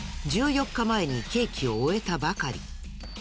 １４日前に刑期を終えたばかり。